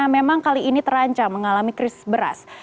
memang kali ini terancam mengalami krisis beras